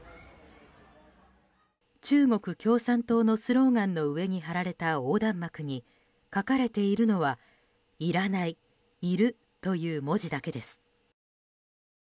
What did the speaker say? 中国共産党のスローガンの上に貼られた横断幕に書かれているのは「要らない、要る」という文字だけです。